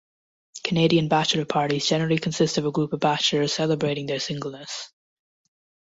Canadian bachelor parties generally consist of a group of bachelors celebrating their singleness.